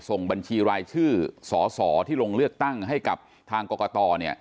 ส่งบัญชีรายชื่อสสที่ลงเลือกตั้งให้กับทางกรกต